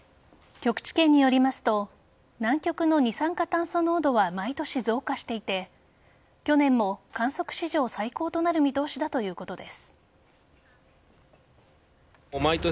極地研によりますと南極の二酸化炭素濃度は毎年増加していて去年も観測史上最高となる見通しだということです。